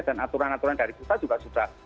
dan aturan aturan dari kita juga sudah